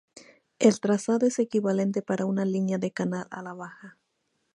El trazado es equivalente para una línea de canal a la baja.